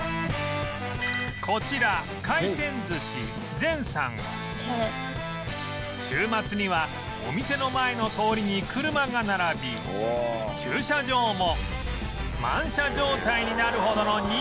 こちら回転寿司禅さんは週末にはお店の前の通りに車が並び駐車場も満車状態になるほどの人気店